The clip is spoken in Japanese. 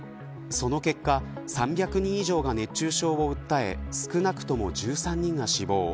その結果、３００人以上が熱中症を訴え少なくとも１３人が死亡。